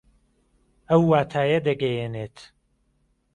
ئەو واتایە دەگەیەنێت